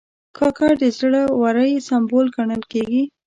کاکړ د زړه ورۍ سمبول ګڼل کېږي.